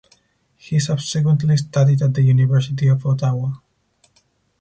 He subsequently studied at the University of Ottawa.